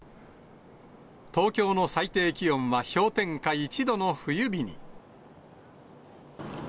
東京の最低気温は氷点下１度の冬日に。